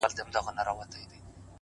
o څه ژوند كولو ته مي پريږده كنه ،